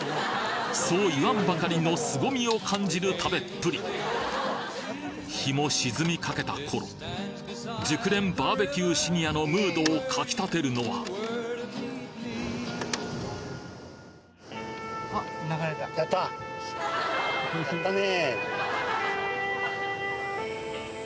そう言わんばかりの凄みを感じる食べっぷり日も沈みかけた頃熟練バーベキューシニアのムードをかき立てるのはやったね。